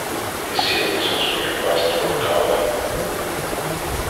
This series was written by Stewart Cowley.